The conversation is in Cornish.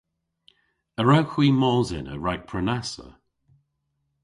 A wrewgh hwi mos ena rag prenassa?